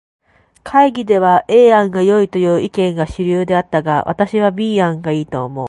会議では A 案がよいという意見が主流であったが、私は B 案が良いと思う。